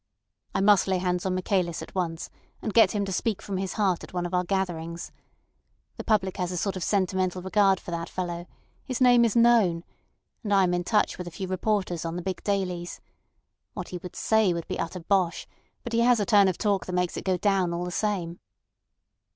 "I must lay hands on Michaelis at once, and get him to speak from his heart at one of our gatherings. The public has a sort of sentimental regard for that fellow. His name is known. And I am in touch with a few reporters on the big dailies. What he would say would be utter bosh, but he has a turn of talk that makes it go down all the same."